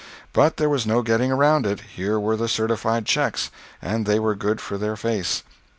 But there was no getting around it—here were the certified checks, and they were good for their face.